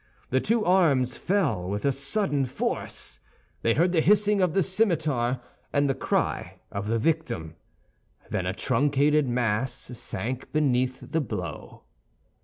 The two arms fell with a sudden force; they heard the hissing of the scimitar and the cry of the victim, then a truncated mass sank beneath the blow.